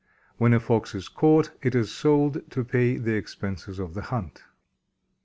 When a Fox is caught, it is sold to pay the expenses of the hunt.